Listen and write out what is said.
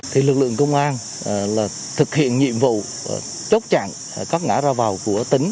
thì lực lượng công an là thực hiện nhiệm vụ chốt chặn các ngã ra vào của tỉnh